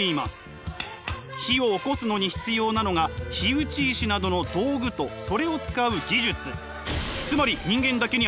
火をおこすのに必要なのが火打ち石などの道具とそれを使う技術。